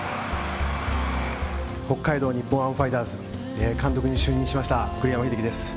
北海道日本ハムファイターズの監督に就任しました栗山英樹です。